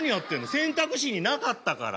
選択肢になかったから。